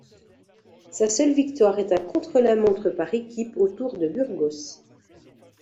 Sa seule victoire est un contre-la-montre par équipes, au Tour de Burgos.